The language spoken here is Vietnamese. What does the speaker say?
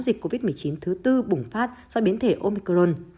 nhiều người đã bị bắt giấm dịch covid một mươi chín thứ tư bùng phát do biến thể omicron